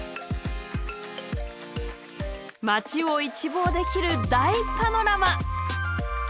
街を一望できる大パノラマ！